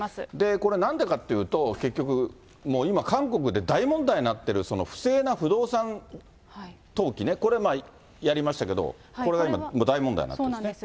これ、なんでかというと、結局、今、韓国で大問題になってる不正な不動産登記ね、これ、前やりましたけれども、これが今大問題になってるんですね。